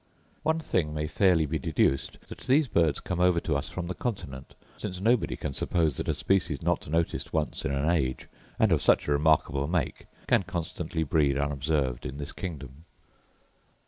One thing may fairly be deduced, that these birds come over to us from the continent, since nobody can suppose that a species not noticed once in an age, and of such a remarkable make, can constantly breed unobserved in this kingdom.